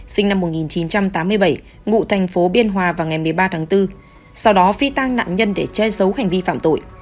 sinh năm một nghìn chín trăm tám mươi bảy ngụ thành phố biên hòa vào ngày một mươi ba tháng bốn sau đó phi tang nạn nhân để che giấu hành vi phạm tội